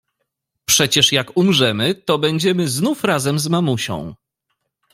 "Przecież jak umrzemy, to będziemy znów razem z mamusią."